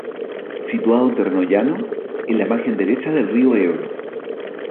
Situado en terreno llano, en la margen derecha del río Ebro.